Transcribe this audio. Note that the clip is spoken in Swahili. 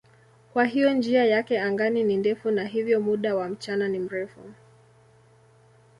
Kwa hiyo njia yake angani ni ndefu na hivyo muda wa mchana ni mrefu.